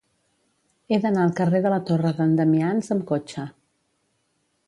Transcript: He d'anar al carrer de la Torre d'en Damians amb cotxe.